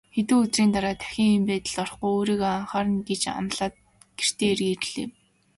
Хэдэн өдрийн дараа дахин ийм байдалд орохгүй, өөрийгөө анхаарна гэж амлаад гэртээ эргэн ирлээ.